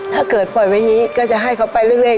ถ้าเกิดปล่อยไว้อย่างนี้ก็จะให้เขาไปเรื่อย